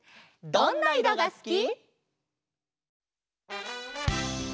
「どんないろがすき」「」